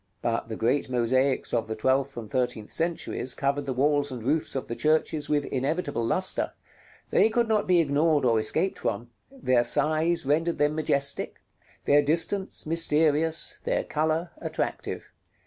But the great mosaics of the twelfth and thirteenth centuries covered the walls and roofs of the churches with inevitable lustre; they could not be ignored or escaped from; their size rendered them majestic, their distance mysterious, their color attractive.